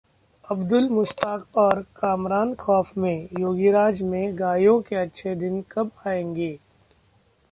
अब्दुल, मुश्ताक और कामरान खौफ में, योगीराज में गायों के अच्छे दिन कब आएंगे?